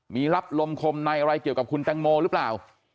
มีรับลมคมในอะไรเกี่ยวกับคุณแตงโมหรือเปล่า